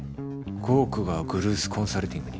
５億がグルース・コンサルティングに？